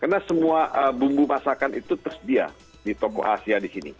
karena semua bumbu masakan itu tersedia di toko asia di sini